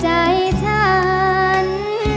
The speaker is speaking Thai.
ใจฉัน